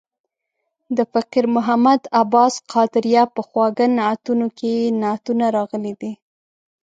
د فقیر محمد عباس قادریه په خواږه نعتونه کې یې نعتونه راغلي دي.